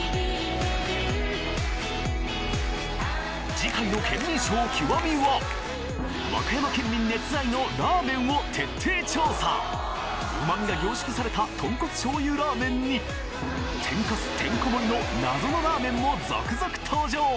次回の『ケンミンＳＨＯＷ極』は和歌山県民熱愛のラーメンを徹底調査旨味が凝縮されたとんこつ醤油ラーメンに天かすてんこ盛りの謎のラーメンも続々登場！